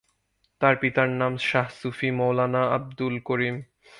তার পিতার নাম শাহ সুফী মৌলানা আবদুল করিম।